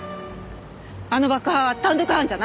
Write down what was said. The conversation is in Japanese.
あの爆破は単独犯じゃない。